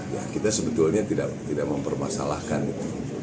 ya kita sebetulnya tidak mempermasalahkan itu